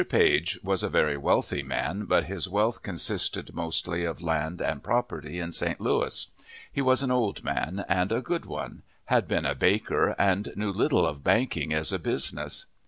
Page was a very wealthy man, but his wealth consisted mostly of land and property in St. Louis. He was an old man, and a good one; had been a baker, and knew little of banking as a business.